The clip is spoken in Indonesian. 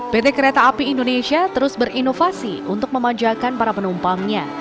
pt kereta api indonesia terus berinovasi untuk memanjakan para penumpangnya